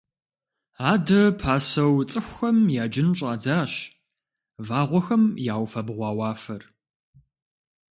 Адэ пасэу цӏыхухэм яджын щӏадзащ вагъуэхэм яуфэбгъуа уафэр.